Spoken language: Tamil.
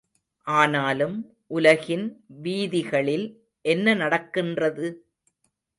ஆனாலும் உலகின் வீதிகளில் என்ன நடக்கின்றது?